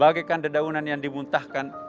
bagikan dedaunan yang dimuntahkan